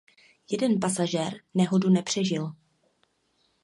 Jeden pasažér nehodu nepřežil.